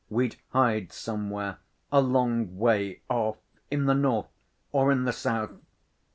We'd hide somewhere, a long way off, in the north or in the south.